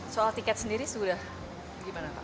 soal tiket sendiri sudah gimana pak